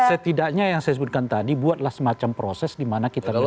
setidaknya yang saya sebutkan tadi buatlah semacam proses di mana kita keluarkan